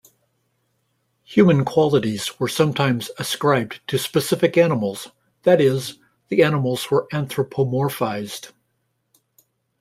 Human qualities were sometimes ascribed to specific animals—that is, the animals were anthropomorphized.